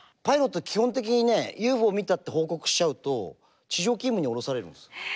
パイロットは基本的にＵＦＯを見たって報告しちゃうと地上勤務におろされるんですよ。